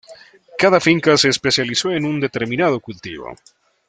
Cada finca se especializó en un determinado cultivo.